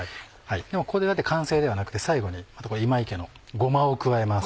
でもここで完成ではなくて最後に今井家のごまを加えます。